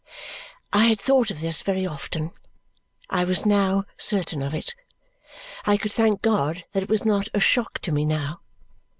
I had thought of this very often. I was now certain of it. I could thank God that it was not a shock to me now.